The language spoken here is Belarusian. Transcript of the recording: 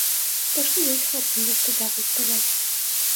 Так што ёсць хлопцам, за што дзякуй сказаць.